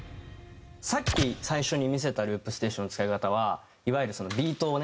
さっき最初に見せたＬｏｏｐＳｔａｔｉｏｎの使い方はいわゆるビートをね